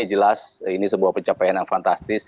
jelas ini sebuah pencapaian yang fantastis